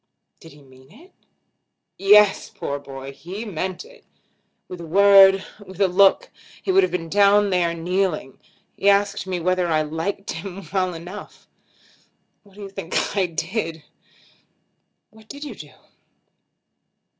"Did he mean it?" "Yes; poor boy! He meant it. With a word; with a look, he would have been down there kneeling. He asked me whether I liked him well enough. What do you think I did?" "What did you do?"